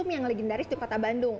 yang legend dari di kota bandung